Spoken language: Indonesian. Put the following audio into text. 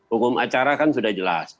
hukum acara kan sudah jelas